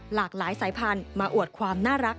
หลากหลายสายพันธุ์มาอวดความน่ารัก